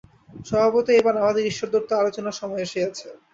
স্বভাবতই এইবার আমাদের ঈশ্বরতত্ত্ব-আলোচনার সময় আসিয়াছে।